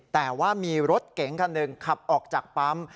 แต่ว่ามีรถเก๋งคันหนึ่งขับออกจากปั๊ม